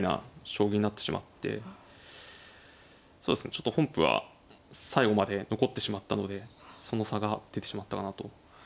ちょっと本譜は最後まで残ってしまったのでその差が出てしまったかなと。